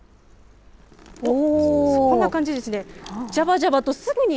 こんな感じですね。